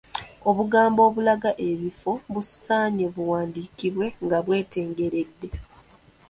Obugambo obulaga ebifo busaanye buwandiikibwe nga bwetengeredde.